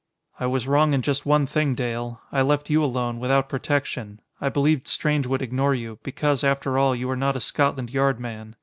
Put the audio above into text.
"I was wrong in just one thing, Dale. I left you alone, without protection. I believed Strange would ignore you, because, after all, you are not a Scotland Yard man.